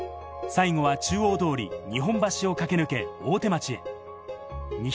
最後は中央通り、日本橋を駆け抜け、大手町へ。